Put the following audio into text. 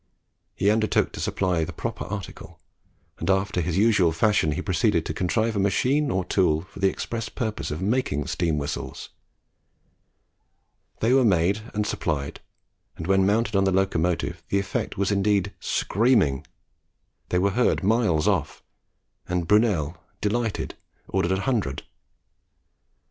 He undertook to supply a proper article, and after his usual fashion he proceeded to contrive a machine or tool for the express purpose of making steam whistles. They were made and supplied, and when mounted on the locomotive the effect was indeed "screaming." They were heard miles off, and Brunel, delighted, ordered a hundred.